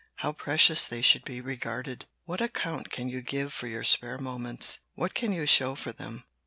How precious they should be regarded! What account can you give for your spare moments? What can you show for them?